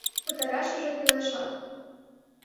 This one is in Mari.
Пытарашыже кӱлешак.